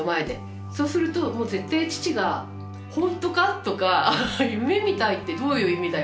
そうするともう絶対父が「ほんとか？」とか「夢みたいってどういう意味だよ